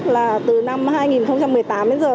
là từ năm hai nghìn một mươi tám đến giờ